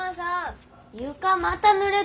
床またぬれてる。